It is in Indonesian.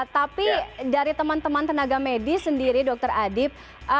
tapi dari teman teman tenaga medis sendiri dr adib